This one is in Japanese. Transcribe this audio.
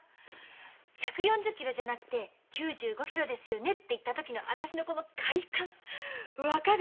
「１４０キロじゃなくて９５キロですよね」って言った時の私のこの快感分かる？